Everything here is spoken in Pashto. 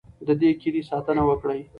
د دې کیلي ساتنه وکړئ.